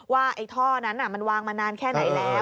ว่าไอ้ท่อนั้นมันวางมานานแค่ไหนแล้ว